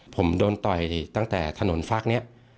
ผมโดนต่อยตั้งแต่ถนนฟักนี้